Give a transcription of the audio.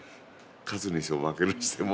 勝つにしても負けるにしても。